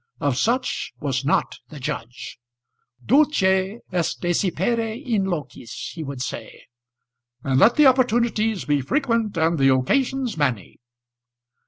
Of such was not the judge. "Dulce est desipere in locis," he would say, "and let the opportunities be frequent and the occasions many."